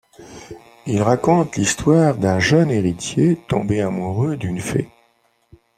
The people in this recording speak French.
Il raconte l'histoire d'un jeune héritier tombé amoureux d'une fée.